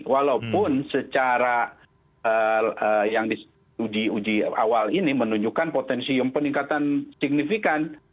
walaupun secara yang di uji awal ini menunjukkan potensi peningkatan signifikan